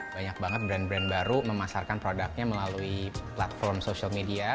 banyak banget brand brand baru memasarkan produknya melalui platform social media